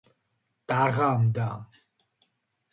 დაღამდა.